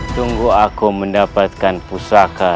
tunggu aku mendapatkan pusaka